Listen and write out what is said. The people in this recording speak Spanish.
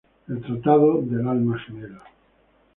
El tratado del alma gemela".